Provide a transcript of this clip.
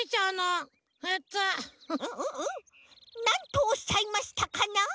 なんとおっしゃいましたかな？